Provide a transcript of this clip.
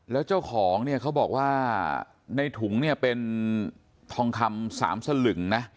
แล้วเจ้าของเนี่ยเขาบอกว่าในถุงเนี่ยเป็นทองคำ๓สลึงนะ